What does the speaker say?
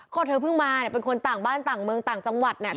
ก็เธอเพิ่งมาเนี่ยเป็นคนต่างบ้านต่างเมืองต่างจังหวัดเนี่ย